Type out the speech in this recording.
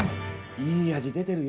いい味出てるよ。